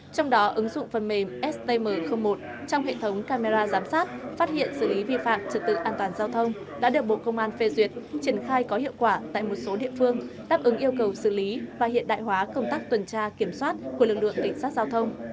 trong đó ứng dụng phần mềm stm một trong hệ thống camera giám sát phát hiện xử lý vi phạm trật tự an toàn giao thông đã được bộ công an phê duyệt triển khai có hiệu quả tại một số địa phương đáp ứng yêu cầu xử lý và hiện đại hóa công tác tuần tra kiểm soát của lực lượng cảnh sát giao thông